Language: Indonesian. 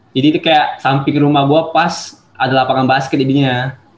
jadi itu kayak samping rumah gua pas ada lapangan basket dibinya